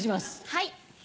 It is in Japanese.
はい。